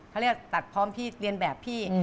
เขาเรียกตัดพร้อมพี่เรียนแบบพี่